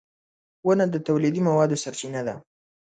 • ونه د تولیدي موادو سرچینه ده.